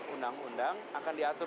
undang undang akan diatur